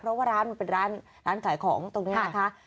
เพราะว่าร้านมันเป็นร้านขายของตรงนี้นะคะ